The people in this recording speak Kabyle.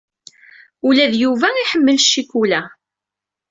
Ula d Yuba iḥemmel ccikula.